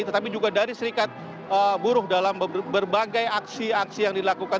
tetapi juga dari serikat buruh dalam berbagai aksi aksi yang dilakukan